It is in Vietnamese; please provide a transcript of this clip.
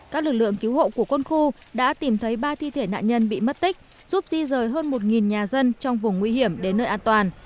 các lực lượng cứu hộ của quân khu đã tìm thấy ba thi thể nạn nhân bị mất tích giúp di rời hơn một nhà dân trong vùng nguy hiểm đến nơi an toàn